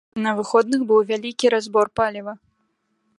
На выходных быў вялікі разбор паліва.